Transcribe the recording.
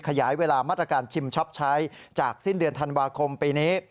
ขยายเวลามาตรการชิมช็อปใช้จากสิ้นเดือนธันวาคมปีนี้